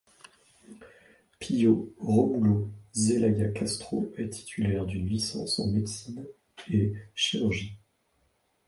Pío Rómulo Zelaya Castro est titulaire d'une licence en médecine et chirurgie.